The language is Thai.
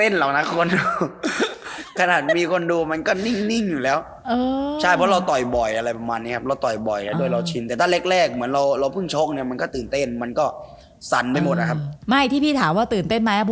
ใช่มันช่วยส่งกันใช่ไหมครับ